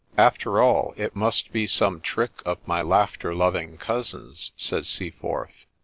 ' After all, it must be some trick of my laughter loving cousins, said Seaforth.